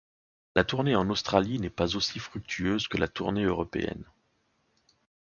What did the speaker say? La tournée en Australie n'est pas aussi fructueuse que la tournée européenne.